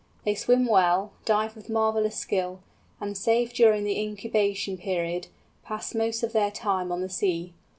They swim well, dive with marvellous skill, and save during the incubation period, pass most of their time on the sea.